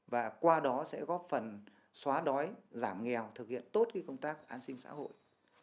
và qua đó sẽ góp phần xóa đói giảm nghèo thực hiện tốt công tác an sinh xã hội